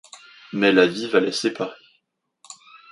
Mais la vie va les séparer.